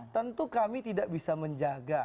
tentu kami tidak bisa menjaga